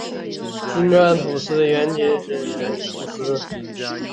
金川土司原仅指小金川土司。